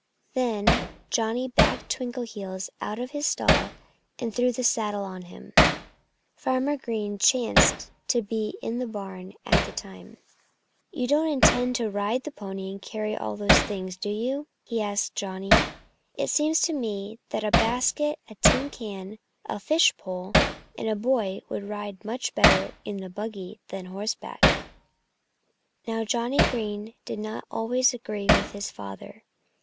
Then Johnnie backed Twinkleheels out of his stall and threw the saddle on him. Farmer Green chanced to be in the barn at the time. "You don't intend to ride the pony and carry all those things, do you?" he asked Johnnie. "It seems to me that a basket, a tin can, a fish pole and a boy would ride much better in the buggy than horseback." Now, Johnnie Green did not always agree with his father.